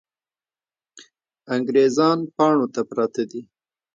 انګریزان پاڼو ته پراته دي.